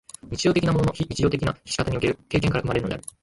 日常的なものの非日常的な仕方における経験から生まれるのである。